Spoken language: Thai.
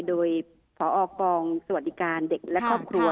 โดยพอกองสวัสดิการเด็กและครอบครัว